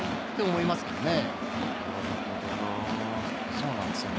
そうなんですよね。